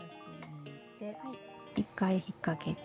１回引っ掛けて。